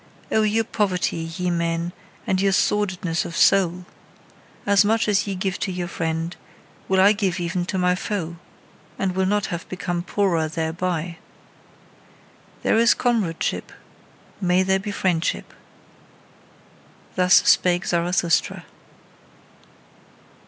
Oh! your poverty, ye men, and your sordidness of soul! As much as ye give to your friend, will I give even to my foe, and will not have become poorer thereby. There is comradeship: may there be friendship! Thus spake Zarathustra.